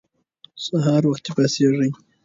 سهار وختي پاڅیږئ.